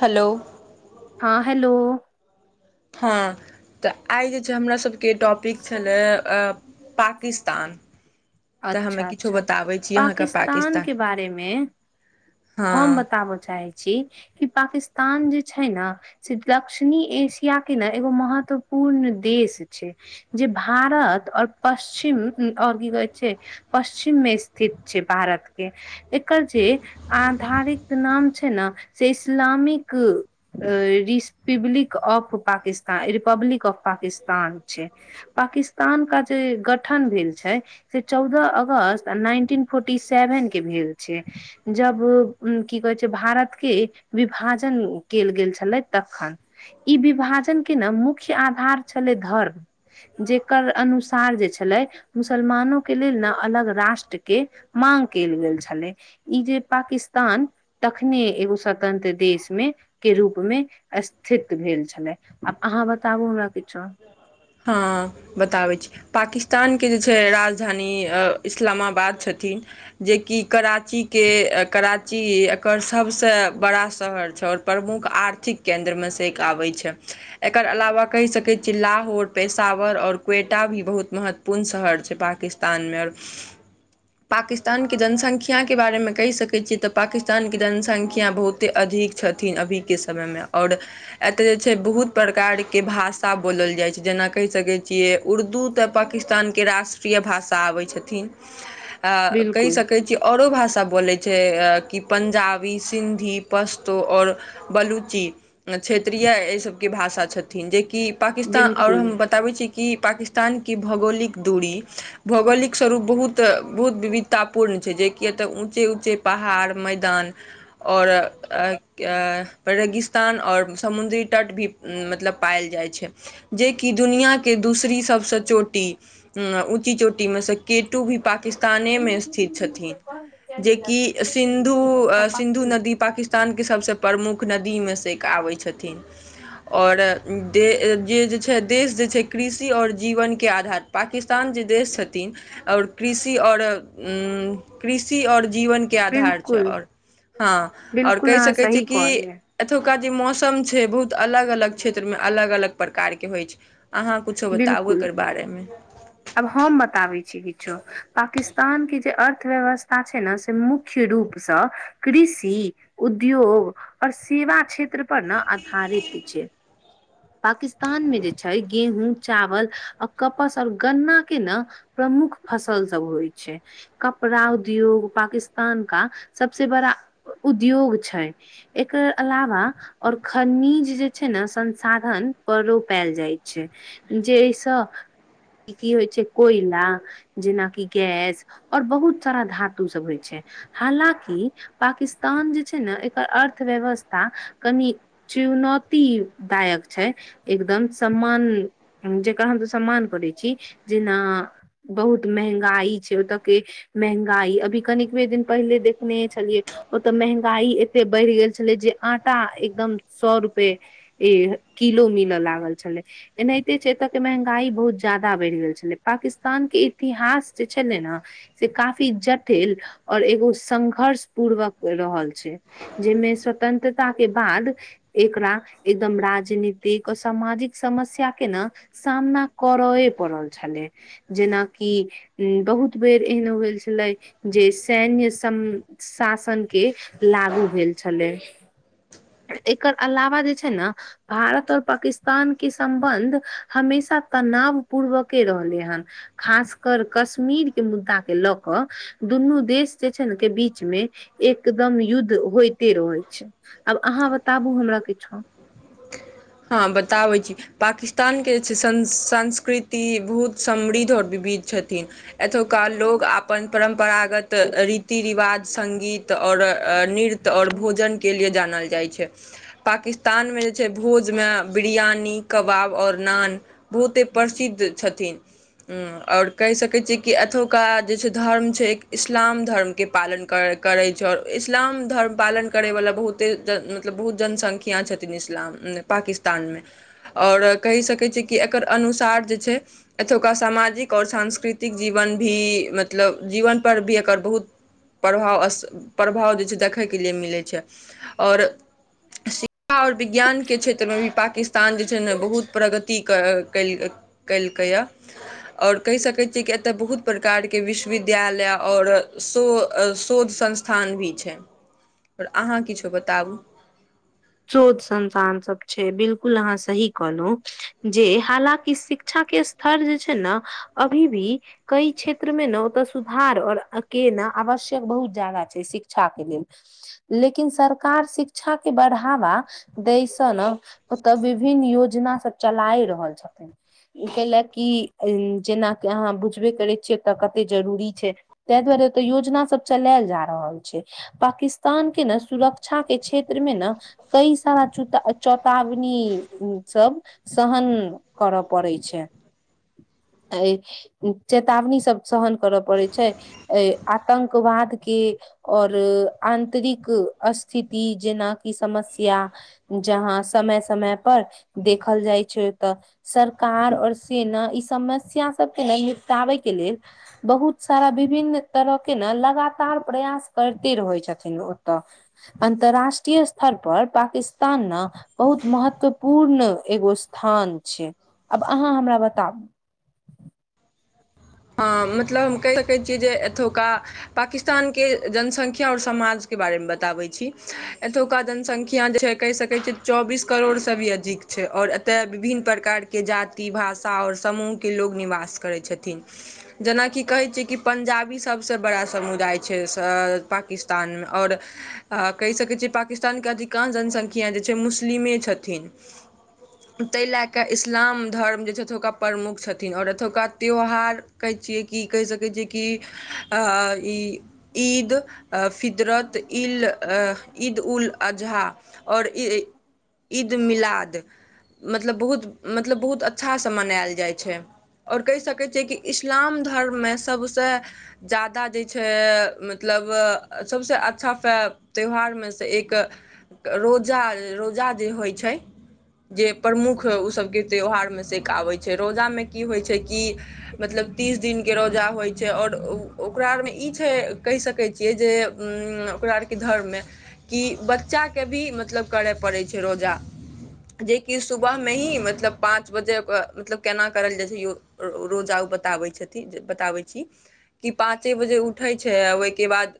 Hello हँ hello हँ तऽ आइ जे छै हमरा सबके टॉपिक छलै पाकिस्तान तऽ हमे अच्छा किछो अच्छा बताबै छी अहाँके पाकिस्तान के बारेमे हम हँ बताबऽ चाहै पाकिस्तान जे छै ने से दक्षिणी एशिया के ने एगो महत्वपूर्ण पूर्ण देश छै जे भारत और पश्चिम और की कहै छै पश्चिम मे स्थित छै भारत के एकर जे आधारित ना नाम ने से Islamic Republic of Pakistan Republic of Pakistan छै पाकिस्तान का जे गठन भेल छै से चौदह अगस्त नाइनटीन फोर्टी सेवन के भेल छै जब की छै भारत के विभाजन केल गेल छलै तखन ई विभाजन के न मुख्य आधार छलै धर्म जेकर अनुसार छल मुसलमान के लेल ने अलग राष्ट्र के माग केल गेल छलै ई जे पाकिस्तान तखने एगो स्वतंत्र देश मे के रूप मे स्थित भेल छलै आब आहँ बताबू हमरा किछो हँ बताबै छी पाकिस्तान के जे छै राजधानी इस्लामा ब जेक कर एकर सब बड़ा [unintelligible] शहर छै और प्रमुख आर्थिक केंन्द्रमे से आबै छै एकर अलावा कहि सकैत चिल्ाहौर पेशावर आओर क्वेटा भी बहुत महत्वपूर्ण शहर छै पाकिस्तानमे और पाकिस्तानके जनसंख्याके बारेमे कहि सकैत छियै तऽ पाकिस्तानके जनसंख्या बहुते अधिक नीक छथिन अभी के समय में और एते छै बहुत प्रकार के भासा ाषा बोलल जाइ छै जेना कहि सकै छियै उर्दू तऽ पाकिस्तानके राष्ट्रीय भाषा आबै छथिन आ कहि बिलकुल सकै छी औरो भाषा बोलै छैकी पंजाबी सिंधी पस्तो और बलुचि क्षेत्रीय ऐसबके भाषा छथिन जेकि पाकिस्तान और बिलकुल हम बताबै छी कि पाकिस्तान के भौगोलिक दूरी भौगोलिक स्वरूप बहुत बहुत विविधतापूर्ण छै जेकी ए तऽ ऊँचे ऊँचे पहाड़ मैदान और पर रेगिस्तान और समुद्री तट भी मतलब पायल जाइ छै। जेकि दुनिया के दूसरी सबसँ चोटी उशऊँची चोटीमेसँ केटु भी पाक पाकिस्ताने मे स्थित छथिन जेकि सिन्धु सिन्धु नदी पाकिस्तान सब प्रमुख नदी मे से एक आबै छथिन और जे जे छै। देश जे छै। कृषि और जीवन के आधार पाकिस्तान जे देश छथिन और कृ कृषि और कृषि और जीवन के आधार छै। बिलकुल हाँ‌ और बिलकुल कहि अहाँ सकै छियै। सही की कहलियै अजुका जे मौसम छै। बहुत अलग अलग क्षेत्र मे अलग अलग प्रकार के होइ छै। अहाँ कुछो बताबु बिलकुल एकर बारेमे आब हम बताबै छी। किछो पाकिस्तान ान के जे अर्थव्यवस्था छै। ने से मुख्य रूप सँ कृषि उद्योग और सेवा क्षेत्र पर ने आधारित छै। [inaudible] पाकिस्तान में जे छै। गेहूँ चावल आ कपस आऔर गन्ना के ने प्रमुख फसल सब होइ छै। ड़ा उद्योग पाकिस्तान का सबस बड़ा उद्योग छै। एकर अलावा और खनिज जे छै ने संसाधन पर रोपायल जाइ छै। जेहिसँ की होइ छै। कोयला जेनाकि गैस और बहुत सारा धातु सब होइ छै। हालाँकि पाकिस्तान जे छै। ने एकर अर्थव्यवस्था क चुनौती दायक छै। एकदम सम्मान जेकरा हम त सम्मान करै छी। जेना बहुत महंगाई छै। ओतऽ के महंगाई अभी कनबे दिन पहिले देखने छलियै ओतऽ महंगाई एते बढ़ि गेल छलै जे आटा एकदम सौ रूपए किलो मिल लागल छलै एनाहि जे छै। एतऽ के महंगाई बहुत जादा बढ़ि गेल छलै पाकिस्तान के इतिहास जे छलै ने से काफी जटिल और एगो संघर्ष पूर्वक रहल छै। जाहिमे स्वतंत्र स्वतंत्रता के बाद एकरा एकदम राजनीतिक आ सामाजिक समस्या। के ने सामना करयए पड़ल छलै जेनाकि बहुत बेर भेल छलै जे सैन्य सम शासन के लागू भेल छलै ह [inaudible] एकर अलावा जे छै। ने भारत और पाकिस्तान के सम्बन्ध हमेशा तनाव पूर्वके रहलै हन खास कर कश्मीर के मुद्दा के लऽ कऽ दुनू देश जे छै ने के बीच मे एकदम युद्ध होइते रहै छै। आब अहाँ बताबु हमरा किछो हँ बताबै छी पाकिस्तानके जे छै। संस्कृति बहुत समृद्ध और वि बीत छथिन एतुका लोक अपन परम्परा परम्परागत रीति रिवाज संगीत और नृत्य और भोजन के लिए जानल जाइ छै। पाकिस्तानमे जे छै। भोज मे बिरियानी कबाब और नान बहुते प्रसिद्ध छथिन ह्म और कहि सकैत छियै। कि एतुका जे छै। धर्म छै। इस्लाम धर्मके पालन करय करै छै। और इस्लाम धर्म पालन करैवला बहुते मतलब बहुत जनसंख्या छथिन इस्लाम पकिस्तान में और कहि सक छ। एकर अनुसार जे छै। पाकिस्तान समाजिक और सांस्कृतिक जीवन भी मतलब जीवन पर भी एकर बहुत प्रभाव अस प्रभाव जे छै। देखयके लिए मिलै छै। और शिक्षा आर विज्ञान के क्षेत्रमे भी पाकिस्तान जे छै। ने बहुत प्रगति कर कलकैए और कहि सकैत छियै। कि एतय बहुत प्रकार के विश्वविद्यालय और शो शोध संस्थान भी छै। पर अहाँ‌ किछु बताबु शोध संन्तान सब छै। बिलकुल अहाँ सही कहलहु जे हालाँकि शिक्षा के स््तर जे छै। ने अभी भी कई क्षेत्र मे ने ओते सुधार और अ केना आवश्यक बहुत जादा छै। शिक्षा लेल लेकिन सरकार शिक्षा के बढ़ा ढ़ावा दैस ने ओतऽ विभिन्न योजना सब चलाय रहल छथिन। कै ल क जेनाकि अहाँ बुझबे करै छियै। ओ तऽ कते जरूरी छै। ताहि दुआरे योजना सब चलायल जा रहल छै। पाकिस्तान के ने सुरक्षा के क्षेत्र मे ने कई सारा चूता चेतावनी सब सहन कर पड़ै छै। [inaudible] चेतावनी सब सहन करऽ पड़े छै। अ आतंकवाद के और आंतरिक स्थिति जेनाकि समस्या जहाँ समय समय पर देखल जाइ छै। तऽ सरकार और सेना ई समस्या सबके ने निपटााबै के लेल बहुत सारा विभिन्न त के ने लगातार प्रयास करिते रहै छथिन ओतऽ अन्तर्राष्ट्रीय स्थर पर पाकिस्तान न बहुत महत्वपूर्ण एगो स्थान छै। आब अहाँ हमरा बताउ [inaudible] हँ, मतलब हम कहि सकैत छियै। जे एतुका पाकिस्तानके जनसंख्या और समाज बारे मे बताबै छी। एतुका जनसंख्या जे छै। कहि सकैत छी। चौबीस करोड़ से‌भी अधिक छै। और तऽ विभिन्न प्रकारके जाति भाषा और समूहके लोक निवास करै छथिन। जेनाकि कहै छियै कि पंजाबी सभसँ बड़ा समुदाय छै। पाकिस्तानमे और आ कहि सकैत छियै। पाकिस्तानके अधिकांश जनसंख्या जे छै। मुस्लिमे छथिन ताहि लए कऽ इस्लाम धर्म जे छै। एतुका प्रमुख छथिन और एतुका त्यौहार कहै छियै की कहि सकैत छी। कि ईद फितरत इल ईद उल अजहा और ईद मिलाद मतलब बहुत मतलब बहुत अच्छासँ मनायल जाइ छै। और कहि सकै छियै। कि इस्लाम धर्ममे सबसे जादा जे छै। मतलब सबसे अच्छा से त्यौहार मे से एक रोजा रोजा जे होइ छै, जे प्रमुख ओ सबके त्यौहारमे सेक आबै छै, रोजामे की होइ छै, कि मतलब तीस दिनके रोजा होइ छै। और ओकरा आरमे ई छै, कहि सकै छियै जे ओकरा आरके धर्ममे कि बच्चाके भी मतलब करय पड़ै छै। रोजा जेकि सुबह मे ही मतलब पाँच बजे मतलब केना करल जाइ छै। रोजा बतिबै छथिन बताबै छी। कि पाँचे बजे उठै छै। ओहिके बाद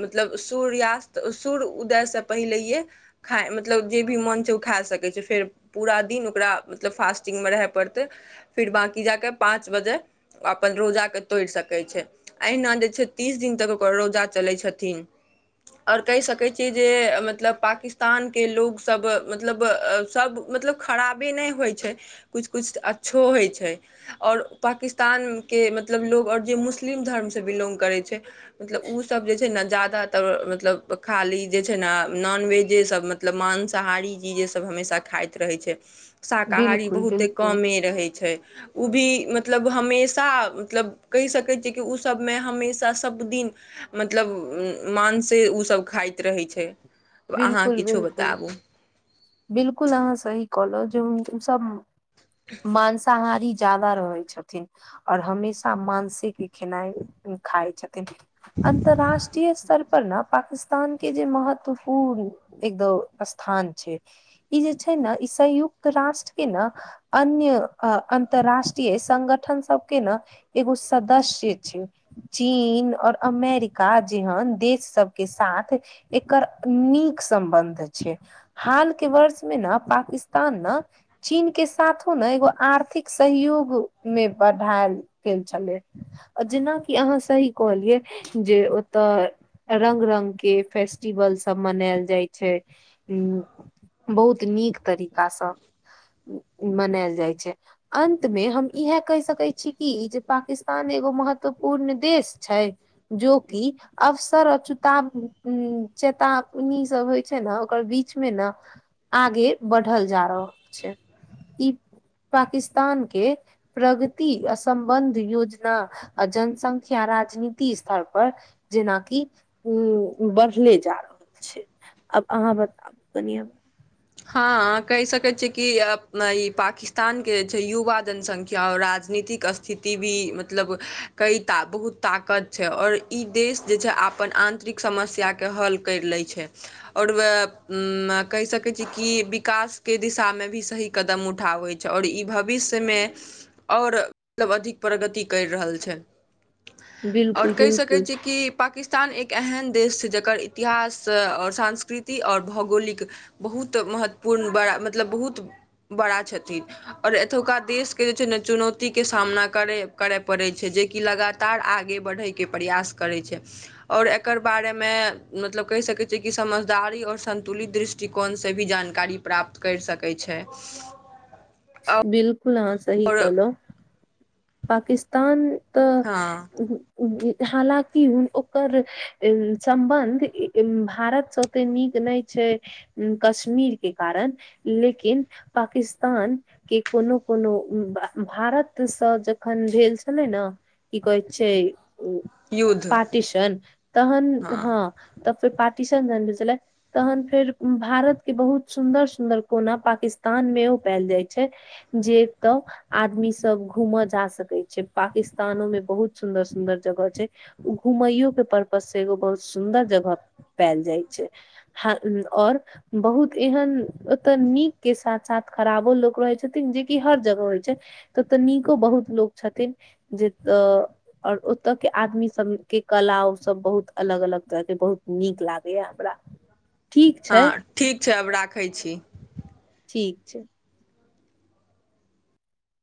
मतलब सूर्यास्त सूर्य उदय से पहिलेे खा मतलब जे भी मन छै। ओ खा सकै छै। फेर पूरा दिन ओकरा मतलब फास्टिंगमे रहय पड़तै फेर बाँकी जाकऽ पाँच बजे ओ अपन रोजाकेँ तोड़ि सकै छै। अहिना जे छै। तीस दिन तक ओकर रोजा चलै छथिन और कहि सकैत छियै। जे मतलब पाकिस्तानके लोकसभ मतलब सब मतलब खराबे ने होय छै। कुछ कुछ अच्छो होय छै। और पाकिस्तान ्तान के मतलब लोग और जे मुस्लिम धर्म से बिलोंग करै छै। मतलब ओसभ जे छै। ने जादा तब मतलब खाली जे छै। ने नॉनवेजे सब मतलब मांसाहारी चीजे सब हमेशा खा खाइत रहै छै। शाकाहारी बिल्कुल बहुते बिल्कुल कमे रहै छै। उभी मतलब हमेशा मतब कहिसकै छी। की ओ सब हमेशा सबदिन मतलब माँसे उसब खाइत रहै छै। आब अहाँ किछो बताबु बिलकुल अहाँ सही कहलहु जेउ सब मांसाहारी ती जादा रहै छथिन। और हमेशा मांसे के खेनाइ खााय छथिन। अंतरराष्ट्रीय स्थर पर ने पाकिस्तान के जे महत्वपूर्ण एकदो स्थान छै। ई जे छै, ने ई संयुक्त राष्ट्र के ने अन्य अन्तर्राष्ट्रीय संगठन सब के ने एगो सदस्य छै, चीन और अमेरिका, जेहन देश सबके साथ एकर नीक सं्बन्ध छै। हाल के वर्ष मे ने पाकिस्तान ने चीन के साथो ने एगो आर्थिक सहयोग मे बढ़ायल गेल छलै जेनाकि अहाँ सही कहलियै जे ओत रंग रंग के फेस्टिवल सब मनायल जाइ छै। उ बहुत नीक तरीकासँ मनायल जाइ छै, अन्तमे हम इएह कहि सकै छी। कि जे पाकिस्तान एगो महत्वपूर्ण देश छै, जोकि अवसर अ चुता उ चेता बनी सब होइ छै, ने ओकर बीच मे ने आगे बढ़ल जा रहल छै। ई पाकिस्तान के प्रगति अस्बन्ध योजना आ जनसंख्या राजनीति स्तर पर जेनाकि उ बढ़ले जा रहल छै, आब अहाँ बताउ कनिआब हँ कहि सकैत छिकि ई पाकिस्तानके जे छै। युवा जनसंख्या और राज राजनीत स्थिति भी मतलब क बहुत ताकत छै, और ई देश जे छै। आ अपन आंतरिक समस्या के हल कैर लै छै। और कहि सकै छी की विकासके दिशामे भी सही कदम उठाबै छै। और ई भविष्यमे ओर मतलब अधिक प्रगति करि रहल छै। और बिल्कुल कहि सकै बिल्कुल छीकि पाकिस्तान ्तान एक एहन देश छै, जकर इतिहास और सांस्कृति और भौगोलिक बहुत महत्वपूर्ण बड़ा मतलब बहुत बड़ा छथिन और एतुका देशके जे छै। ने चुनौती के सामना करय पड़ै छै, जेकि लगातार आगे बढ़ै के प्रयास करै छै, और एकर बारेमे मतलब कहि सकैत छियै। कि समझदारी और संन्तुलित दृष्टि दृष्टिकोणसँ भी जानकारी प्राप्त करि सकै छै। बिलकुल अहाँ सही आओर कहलहुँ पाकिस्तान तऽ हँ हालांकि ओकर सम्बन्ध भारतसँ ते नीक नहि छै कश्मीरके कारण लेकिन पाकिस्तान के को कोनो कोनो भारतसँ जखन भेल छलै ने की कहैत छै युद्ध पार्टिशन तहन हँ त फेर पार्टिशन जान छलै तहन फेर भारत केँ बहुत सुन्दर सुन्दर कोना पाकिस्तान मे ओ पायल जाइत छै जेतय आदमी सब घूमय जा सक सकै छै, पाकिस्तानो में बहुत सुंन्दर सुन्दर जगह छै, घुमैयो के परर्पज से एगो बहुत सुन्दर जगह पायल जाइ छै, और बहुत एहन ओत नीक के साथ साथ खराबो लोक रहै छथिन जेकि हर जगह होइ छै। तऽतऽ नीको बहुत लोक छथिन जेऽ और ओतऽ के आदमी सब के कला ओ सब बहुत अलग अलग बहुत नीक लागैया हमरा ठीक हँ छै ठीक छै, आब राखै छी ठीक छै।